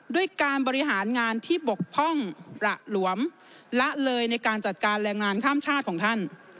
ด้วยการบริหารงานที่บกพร่องประหลวมละเลยในการจัดการแรงงานข้ามชาติของท่าน